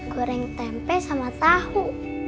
goreng tempe sama tahu